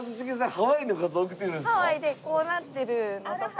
ハワイでこうなってるのとか。